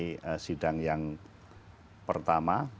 adalah sidang yang pertama